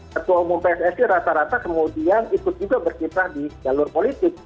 ketua umum pssi rata rata kemudian ikut juga berkiprah di jalur politik